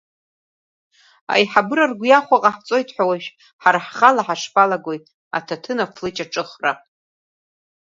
Аиҳабыра ргәы иаахәо ҟаҳҵоит ҳәа уажәы, ҳара ҳхала ҳашԥалагои, аҭаҭын афлыҷ аҿыхра?